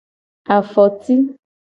Afoti.